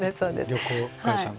旅行会社の。